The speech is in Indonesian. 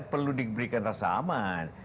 perlu diberikan rasa aman